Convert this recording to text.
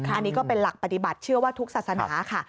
อันนี้ก็เป็นหลักปฏิบัติเชื่อว่าทุกศาสนาค่ะ